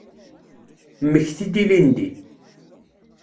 Mmekti-d ilindi.